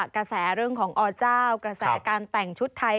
กระแสเรื่องของอเจ้ากระแสการแต่งชุดไทย